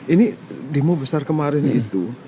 ini demo besar kemarin itu